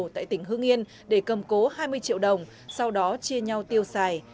tại tỉnh hương yên để cầm cố hai mươi triệu đồng sau đó chia nhau tiêu xài